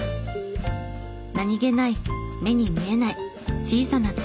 何げない目に見えない小さな繋がり。